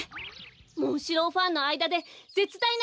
モンシローファンのあいだでぜつだいな